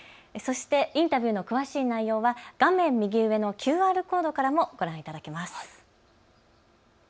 そしてインタビューの詳しい内容は画面右上のＱＲコードからもご覧いただけます。